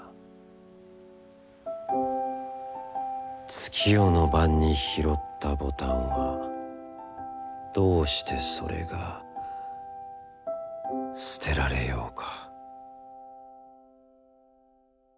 月夜の晩に、拾ったボタンはどうしてそれが、捨てられようか？」。